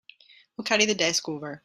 We'll carry the desk over.